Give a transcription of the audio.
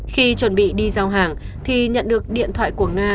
khi chuẩn bị đi giao hàng thì nhận được điện thoại của nga